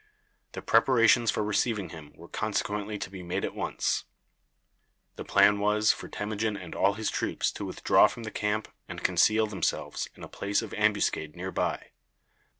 The preparations for receiving him were consequently to be made at once. The plan was for Temujin and all his troops to withdraw from the camp and conceal themselves in a place of ambuscade near by.